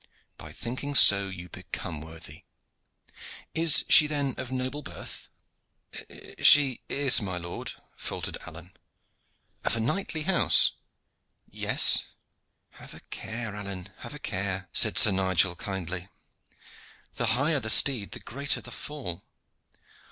"By thinking so you become worthy. Is she then of noble birth?" "She is, my lord," faltered Alleyne. "Of a knightly house?" "Yes." "Have a care, Alleyne, have a care!" said Sir Nigel, kindly. "The higher the steed the greater the fall.